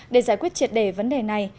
để giải quyết triệt đề vấn đề này